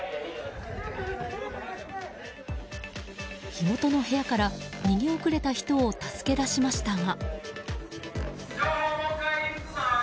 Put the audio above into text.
火元の部屋から逃げ遅れた人を助け出しましたが。